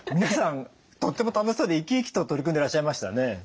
皆さんとっても楽しそうで生き生きと取り組んでらっしゃいましたね。